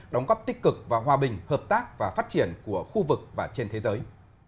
đóng góp tích cực và hòa bình hợp tác và phát triển của khu vực và trên thế giới